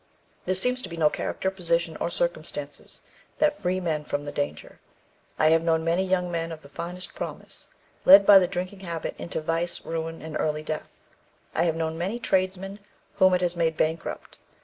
There seems to be no character, position, or circumstances that free men from the danger. I have known many young men of the finest promise, led by the drinking habit into vice, ruin, and early death. I have known many tradesmen whom it has made bankrupt.